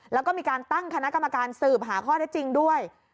แล้วก็มีการตั้งคณะกรรมการสืบหาข้อได้จริงด้วย